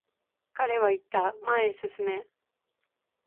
彼は言った、前へ進め。